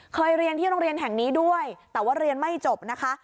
เรียนที่โรงเรียนแห่งนี้ด้วยแต่ว่าเรียนไม่จบนะคะ